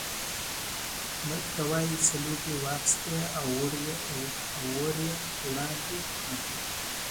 ملک ته یې ځلوبۍ واخیستې او ور یې وړاندې کړې.